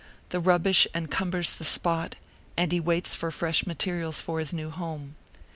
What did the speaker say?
The rubbish encumbers the spot, and he waits for fresh materials for his new home.